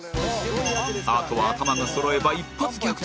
あとはアタマがそろえば一発逆転！